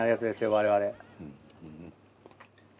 我々。